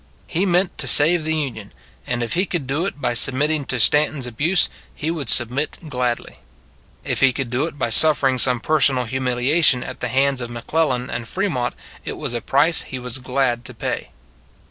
He meant to save the Union; and if he could do it by submitting to Stanton s abuse, he would submit gladly. If he could do it by suffering some per sonal humiliation at the hands of McClel 70 It s a Good Old World Ian and Fremont, it was a price he was glad to pay.